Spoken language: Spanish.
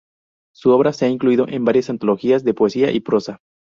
Su obra se ha incluido en varias antologías de poesía y prosa.